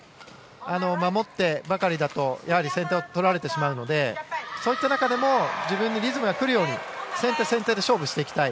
守ってばかりだとやはり先手を取られてしまうのでそういった中でも自分にリズムがくるように先手先手で勝負していきたい